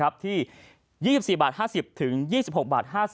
๒๔บาท๕๐ถึง๒๖บาท๕๐